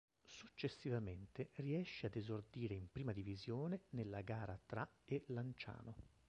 Successivamente riesce ad esordire in Prima Divisione nella gara tra e Lanciano.